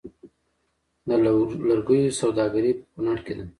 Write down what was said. د لرګیو سوداګري په کنړ کې ده